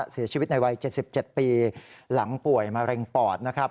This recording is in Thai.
เสียชีวิตในวัย๗๗ปีหลังป่วยมะเร็งปอดนะครับ